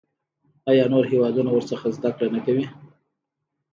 آیا نور هیوادونه ورڅخه زده کړه نه کوي؟